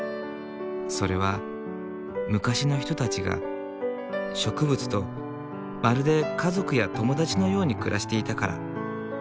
それは昔の人たちが植物とまるで家族や友達のように暮らしていたから。